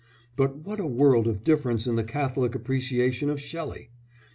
But what a world of difference in the catholic appreciation of Shelley!